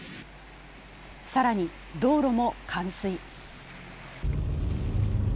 更に道路も冠水。